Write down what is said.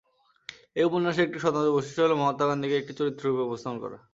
এই উপন্যাসের একটি স্বতন্ত্র বৈশিষ্ট্য হল, মহাত্মা গান্ধীকে একটি চরিত্র রূপে উপস্থাপনা করা।